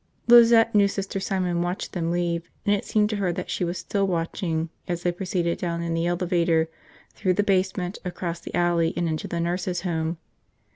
Lizette knew Sister Simon watched them leave, and it seemed to her that she was still watching as they proceeded down in the elevator, through the basement, across the alley, and into the nurses' home.